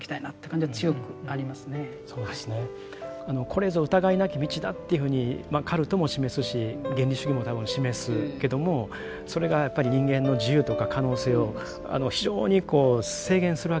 これぞ疑いなき道だというふうにカルトも示すし原理主義も多分示すけどもそれがやっぱり人間の自由とか可能性を非常にこう制限するわけですよね。